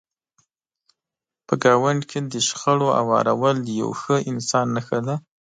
په ګاونډ کې د شخړو هوارول د یو ښه انسان نښه ده.